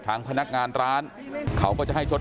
แต่ว่าวินนิสัยดุเสียงดังอะไรเป็นเรื่องปกติอยู่แล้วครับ